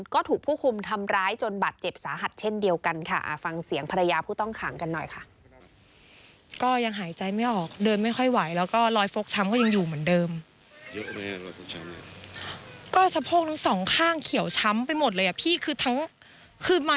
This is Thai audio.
ก็ถูกผู้คุมทำร้ายจนบาดเจ็บสาหัสเช่นเดียวกันค่ะ